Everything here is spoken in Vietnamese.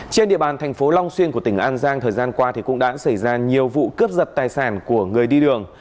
trên địa bàn thành phố long xuyên của tỉnh an giang thời gian qua cũng đã xảy ra nhiều vụ cướp giật tài sản của người đi đường